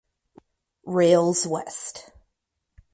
Rails West!